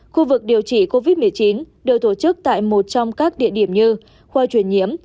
khu vực điều trị covid một mươi chín được tổ chức tại một trong các địa điểm như khoa truyền nhiễm